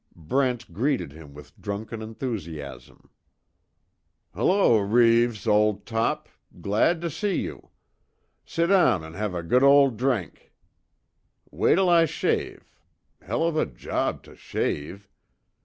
Brent greeted him with drunken enthusiasm: "H'l'o, Reeves, ol' top! Glad to she you. S'down an' have a good ol' drink! Wait'll I shave. Hell of a job to shave."